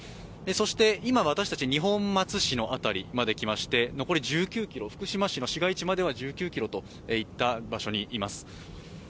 そして今、私たち、二本松市の辺りまで来まして、福島市の市街地までは残り１９ｋｍといった場所にいます。